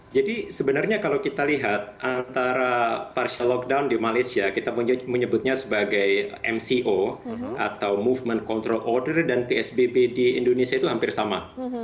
jadi sebenarnya kalau kita lihat antara partial lockdown di malaysia kita menyebutnya sebagai mco atau movement control order dan psbb di indonesia itu hampir sama